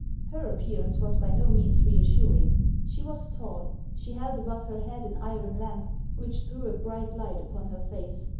Her appearance was by no means reassuring. She was tall ; she held above her head an iron lamp, which threw a bright light upon her face.